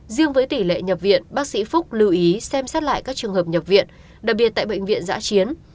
riêng với tỷ lệ nhập viện bác sĩ phúc lưu ý xem xét lại các trường hợp nhập viện đặc biệt tại bệnh viện giã chiến